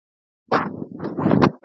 که خیال ورک شي، باور نهشي پاتې کېدی.